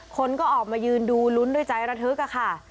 คนก็ออกมายืนดูลุ้นด้วยใจระทึกค่ะ